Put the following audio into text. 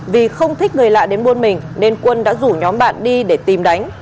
vì không thích người lạ đến buôn mình nên quân đã rủ nhóm bạn đi để tìm đánh